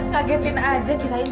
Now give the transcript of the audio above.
saya akan pergi ke kamar